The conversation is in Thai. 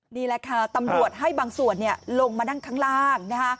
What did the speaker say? นี่แหละค่ะตำรวจให้บางส่วนลงมานั่งข้างล่าง